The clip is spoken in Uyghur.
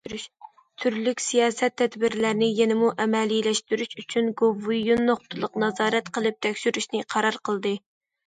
تۈرلۈك سىياسەت تەدبىرلەرنى يەنىمۇ ئەمەلىيلەشتۈرۈش ئۈچۈن، گوۋۇيۈەن نۇقتىلىق نازارەت قىلىپ تەكشۈرۈشنى قارار قىلدى.